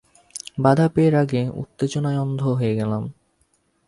বাধা পেয়ে রাগে, উত্তেজনায় অন্ধ হয়ে গেলাম।